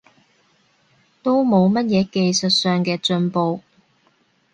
都冇乜嘢技術上嘅進步